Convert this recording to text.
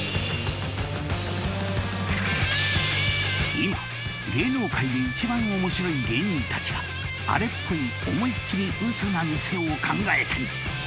［今芸能界で一番面白い芸人たちがアレっぽいオモいっきりウソな店を考えたり］